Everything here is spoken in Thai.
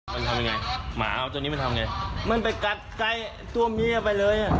เขาคิดจะตายเลยและก็จะกินมันด้วย